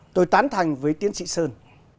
tôi tán thành với tiến sĩ sơn